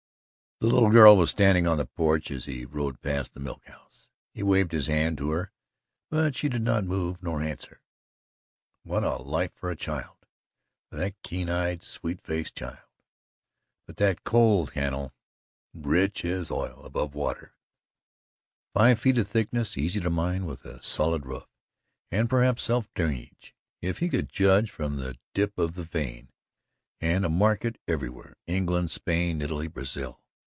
The little girl was standing on the porch as he rode past the milk house. He waved his hand to her, but she did not move nor answer. What a life for a child for that keen eyed, sweet faced child! But that coal, cannel, rich as oil, above water, five feet in thickness, easy to mine, with a solid roof and perhaps self drainage, if he could judge from the dip of the vein: and a market everywhere England, Spain, Italy, Brazil.